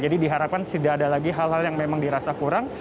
jadi diharapkan tidak ada lagi hal hal yang memang dirasa kurang